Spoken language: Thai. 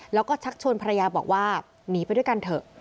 แล้วก็ชักชวนภรรยาบอกว่าหนีไปด้วยกันเถอะ